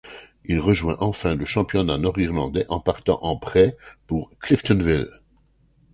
Il rejoint enfin le championnat nord-irlandais en partant en prêt pour Cliftonville.